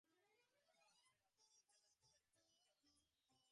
সে-ঘরেও আলো নাই–কিন্তু রাজলক্ষ্মী বিছানায় শুইয়া আছেন, তাহা অন্ধকারেও লক্ষ্য হইল।